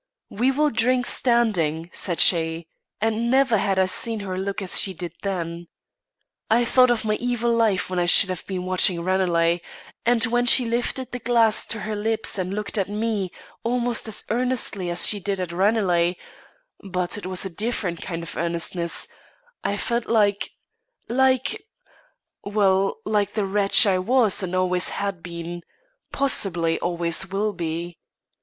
'We will drink standing,' said she, and never had I seen her look as she did then. I thought of my evil life when I should have been watching Ranelagh; and when she lifted the glass to her lips and looked at me, almost as earnestly as she did at Ranelagh, but it was a different kind of earnestness, I felt like like well, like the wretch I was and always had been; possibly, always will be.